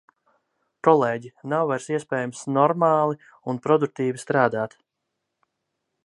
Kolēģi, nav vairs iespējams normāli un produktīvi strādāt!